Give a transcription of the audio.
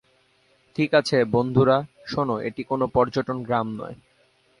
ঠিক আছে, বন্ধুরা, শোন, এটি কোন পর্যটন গ্রাম নয়।